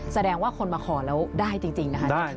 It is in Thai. แสดงว่าคนมาขอแล้วได้จริงนะคะ